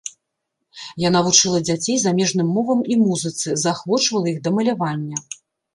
Яна вучыла дзяцей замежным мовам і музыцы, заахвочвала іх да малявання.